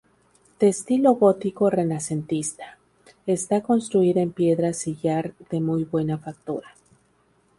De estilo gótico-renacentista, está construida en piedra sillar de muy buena factura.